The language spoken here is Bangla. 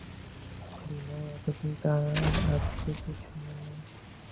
বিনয় এতদিন তাহার আবৃত্তি শোনে নাই।